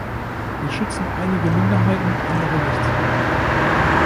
Wir schützen einige Minderheiten, andere nicht.